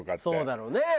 そうだろうね。